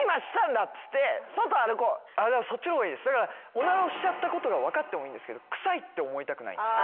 おならをしちゃったことが分かってもいいんですけど臭いって思いたくないんですよ。